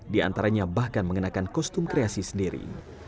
di antaranya bahkan mengenakan kostum kreasi sendiri